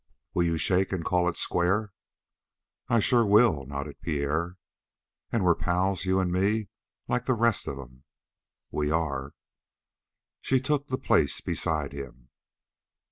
"Will you shake and call it square?" "I sure will," nodded Pierre. "And we're pals you and me, like the rest of 'em?" "We are." She took the place beside him.